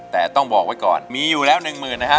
แต่ต้องบอกไว้ก่อนมีอยู่แล้วหนึ่งหมื่นนะฮะ